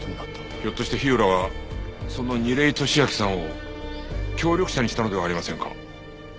ひょっとして火浦はその楡井敏秋さんを協力者にしたのではありませんか？